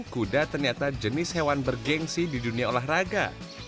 kuda ternyata jenis hewan bergensi di dunia olahraga